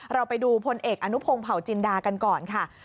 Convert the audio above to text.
เราไปดูพลเอกอนุพงศ์เผาจินดากันก่อนค่ะ